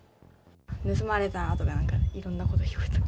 盗まれたー！とか、なんか、いろんな声聞こえた。